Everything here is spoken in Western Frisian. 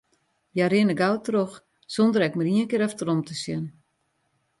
Hja rinne gau troch, sonder ek mar ien kear efterom te sjen.